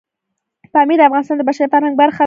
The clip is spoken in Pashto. پامیر د افغانستان د بشري فرهنګ برخه ده.